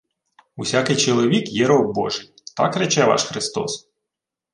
— Усякий чоловік є роб божий. Так рече ваш Христос?